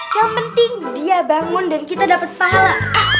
yang penting dia bangun dan kita dapat pahala